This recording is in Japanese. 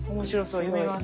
読みます。